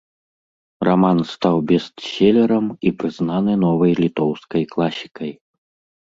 Раман стаў бестселерам і прызнаны новай літоўскай класікай.